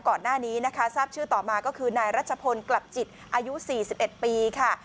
ก่อนหน้านี้นะคะทราบชื่อต่อมาก็คือนายรัชพลกลับจิตอายุ๔๑ปีค่ะ